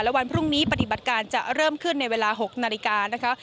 วันพรุ่งนี้ปฏิบัติการจะเริ่มขึ้นในเวลา๖นาฬิกานะคะ